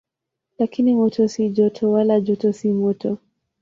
Lakini moto si joto, wala joto si moto.